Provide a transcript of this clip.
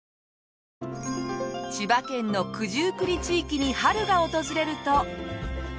千葉県の九十九里地域に春が訪れると。